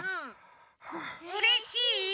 うれしい？